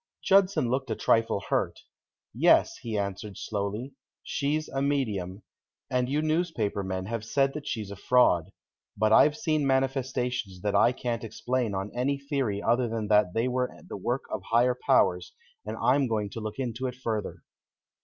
Judson looked a trifle hurt. "Yes," he answered, slowly, "she's a medium, and you newspaper men have said that she's a fraud. But I've seen manifestations that I can't explain on any theory other than that they were the work of higher powers, and I'm going to look into it further."